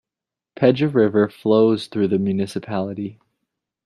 Pedja River flows through the municipality.